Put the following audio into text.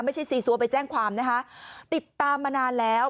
ซีซัวไปแจ้งความนะคะติดตามมานานแล้ว